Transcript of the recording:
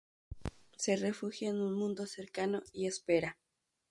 Se refugia en un mundo cercano y espera.